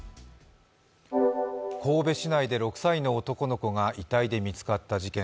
神戸市内で６歳の男の子が遺体で見つかった事件。